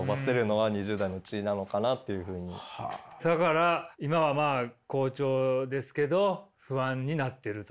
だから今はまあ好調ですけど不安になってると。